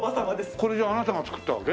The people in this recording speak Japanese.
これじゃああなたが作ったわけ？